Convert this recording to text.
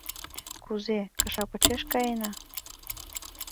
Кузе, кыша почеш каена?